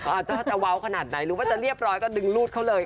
อาจจะเว้าขนาดไหนหรือว่าจะเรียบร้อยก็ดึงรูดเขาเลย